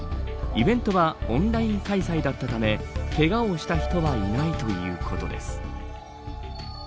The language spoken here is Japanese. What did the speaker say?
イベントはオンライン開催だったためけがをした人はいないということです。